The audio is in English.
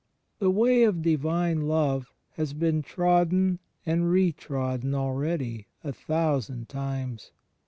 The Way of Divine Love has been trodden and re trodden akeady a thousand times.